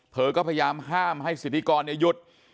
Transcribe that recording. เธอก็พยายามห้ามให้สิทธิกรหยุด